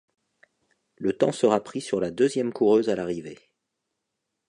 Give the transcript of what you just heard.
Le temps sera pris sur la deuxième coureuse à l'arrivée.